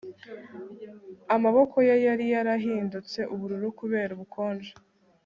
Amaboko ye yari yarahindutse ubururu kubera ubukonje